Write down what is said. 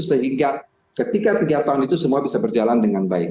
sehingga ketika tiga tahun itu semua bisa berjalan dengan baik